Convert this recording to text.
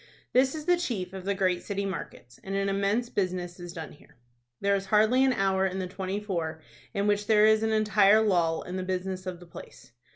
This is the chief of the great city markets, and an immense business is done here. There is hardly an hour in the twenty four in which there is an entire lull in the business of the place.